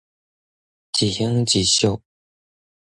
一鄉一俗